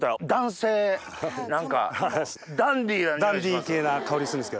ダンディー系な香りするんですけど。